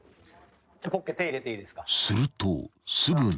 ［するとすぐに］